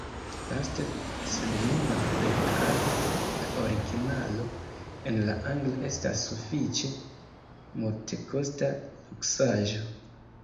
Laste, sed ne malplej grave, la originalo en la angla estas sufiĉe multekosta luksaĵo.